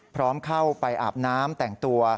พร้อมเข้าไปอาบน้ำแต่งตัว